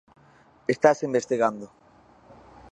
Estase investigando.